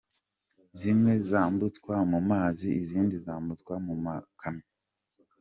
Zimwe zambutswa mu mazi, izindi zambutswa mu makamyo.